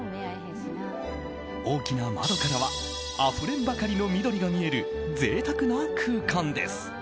大きな窓からはあふれんばかりの緑が見える贅沢な空間です。